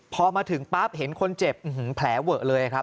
พอมาถึงปั๊บเห็นคนเจ็บแผลเวอะเลยครับ